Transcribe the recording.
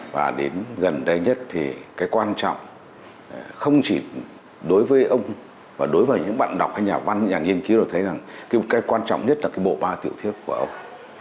và đến gần đây nhất thì cái quan trọng không chỉ đối với ông và đối với những bạn đọc hay nhà văn nhà nghiên cứu đều thấy rằng cái quan trọng nhất là cái bộ ba tiểu thuyết của ông